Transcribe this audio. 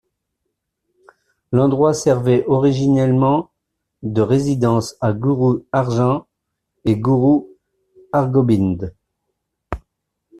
L'endroit servait originellement de résidence à Guru Arjan et Guru Hargobind.